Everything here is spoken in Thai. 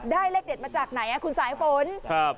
เลขเด็ดมาจากไหนคุณสายฝนครับ